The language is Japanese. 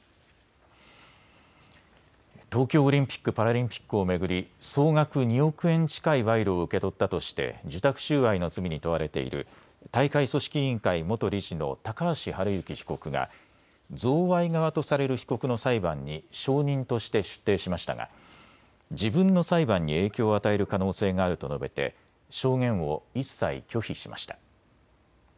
東京オリンピック・パラリンピックを巡り総額２億円近い賄賂を受け取ったとして受託収賄の罪に問われている大会組織委員会元理事の高橋治之被告が贈賄側とされる被告の裁判に証人として出廷しましたが自分の裁判に影響を与える可能性があると述べて証言を一切拒否しました。